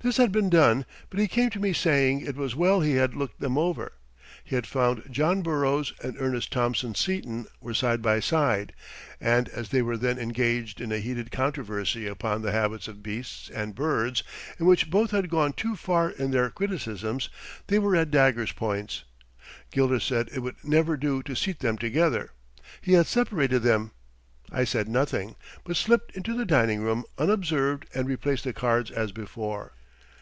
This had been done, but he came to me saying it was well he had looked them over. He had found John Burroughs and Ernest Thompson Seton were side by side, and as they were then engaged in a heated controversy upon the habits of beasts and birds, in which both had gone too far in their criticisms, they were at dagger's points. Gilder said it would never do to seat them together. He had separated them. I said nothing, but slipped into the dining room unobserved and replaced the cards as before.